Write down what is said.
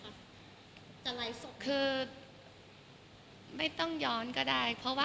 การใช้โทรเชียลการวัดหัวลงพุนการใช้ความพูด